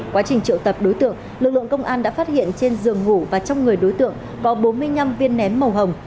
quá trình triệu tập đối tượng lực lượng công an đã phát hiện trên giường ngủ và trong người đối tượng có bốn mươi năm viên nén màu hồng